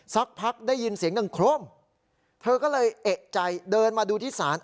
สักพักได้ยินเสียงดังโครมเธอก็เลยเอกใจเดินมาดูที่ศาล